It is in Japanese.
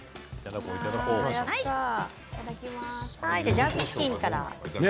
ジャークチキンから。